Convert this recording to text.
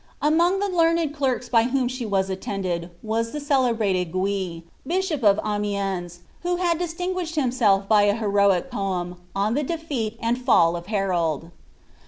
Anions; l^c learned clerks hy whom she was ■!• tendiMl was the celebrated Gui, bishop of Amiens, who had distinguished himself by an heroic poem on llie defeat and fall of Harold.